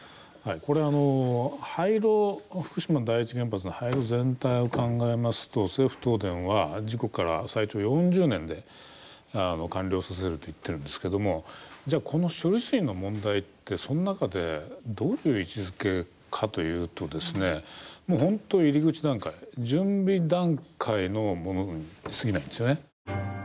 これ、福島第一原発の廃炉全体を考えますと政府・東電は事故から最長４０年で完了させると言ってるんですけども、じゃあこの処理水の問題って、その中でどういう位置づけかというともう本当、入り口段階準備段階のものにすぎないんですよね。